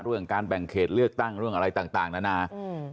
เรื่องการแบ่งเขตเลือกตั้งเรื่องอะไรต่างต่างนานาอืม